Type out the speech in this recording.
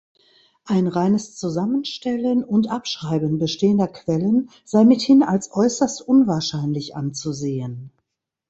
Ein reines Zusammenstellen und Abschreiben bestehender Quellen sei mithin als äußerst unwahrscheinlich anzusehen.